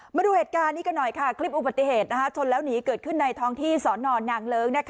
มาดูเหตุการณ์นี้กันหน่อยค่ะคลิปอุบัติเหตุชนแล้วหนีเกิดขึ้นในท้องที่สอนอนนางเลิ้ง